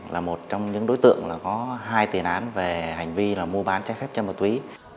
là một trong những đối tượng có hai tiền án về hành vi mua bán trái phép chân ma túy